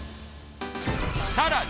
さらに